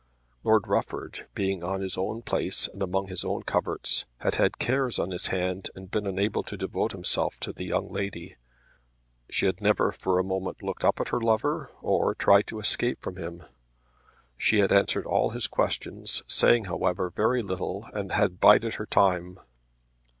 Lord Rufford, being on his own place and among his own coverts, had had cares on his hand and been unable to devote himself to the young lady. She had never for a moment looked up at her lover, or tried to escape from him. She had answered all his questions, saying, however, very little, and had bided her time.